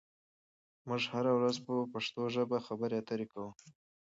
موږ هره ورځ په پښتو ژبه خبرې اترې کوو.